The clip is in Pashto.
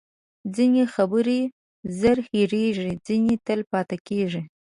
ځینې خبرې زر هیرېږي، ځینې تل پاتې کېږي.